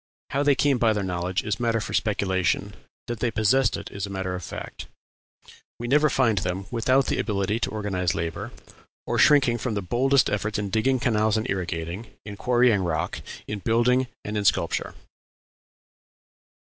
How they came by their knowledge is matter for speculation; that they possessed it is matter of fact. We never find them without the ability to organize labor, or shrinking from the very boldest efforts in digging canals and irrigating, in quarrying rock, in building, and in sculpture."